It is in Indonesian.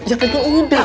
ya kayaknya udah